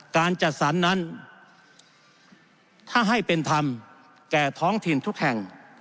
การจัดสรรนั้นถ้าให้เป็นธรรมแก่ท้องถิ่นทุกแห่ง